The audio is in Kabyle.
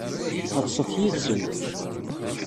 Ḍset yid-sen.